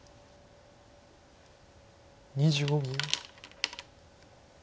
２５秒。